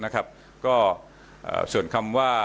ก็ส่วนคำว่า